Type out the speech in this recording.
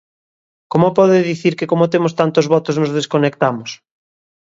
¿Como pode dicir que como temos tantos votos nos desconectamos?